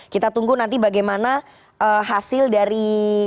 kita tunggu nanti bagaimana hasil dari